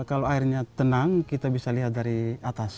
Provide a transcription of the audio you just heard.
kalau airnya tenang kita bisa lihat dari atas